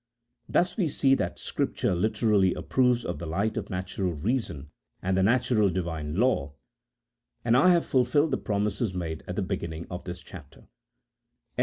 Thus we see that Scripture literally approves of the light of natural reason and the natural Divine law, and I have fulfilled the promises made at the beginning of this chapter* CHAP.